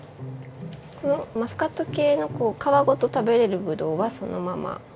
このマスカット系の皮ごと食べれるぶどうはそのまま。